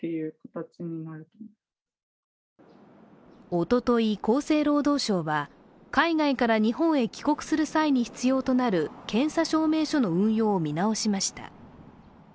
おととい、厚生労働省は海外から日本へ帰国する際に必要となる検査証明書の運用を見直しました。